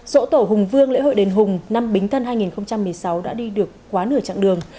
dỗ tổ hùng vương lễ hội đền hùng năm bính thân hai nghìn một mươi sáu đã đi được quá nửa chặng đường